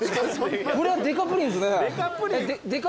これはでかプリンですね。